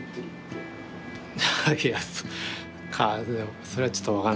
いやそれはちょっと分かんないですけど。